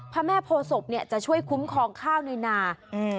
พระแม่โพศพเนี่ยจะช่วยคุ้มครองข้าวในนา